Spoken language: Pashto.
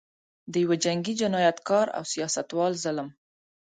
د یوه جنګي جنایتکار او سیاستوال ظلم.